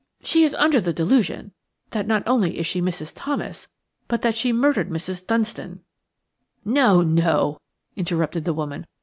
"She is under the delusion that not only is she Mrs. Thomas, but that she murdered Mrs. Dunstan–" "No–no!" interrupted the woman.